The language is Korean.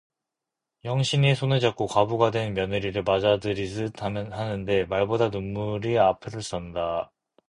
영신이의 손을 잡고 과부가 된 며느리를 맞아들이듯 하는데 말보다 눈물이 앞을 선다.